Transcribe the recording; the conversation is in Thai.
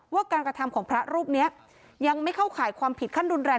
ว่าการกระทำของพระรูปนี้ยังไม่เข้าข่ายความผิดขั้นรุนแรง